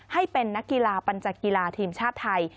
ให้เป็นนักกีฬาปัญจากกีฬาทีมชาติไทย